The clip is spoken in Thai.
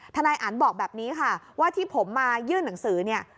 นายอันบอกแบบนี้ค่ะว่าที่ผมมายื่นหนังสือเนี่ย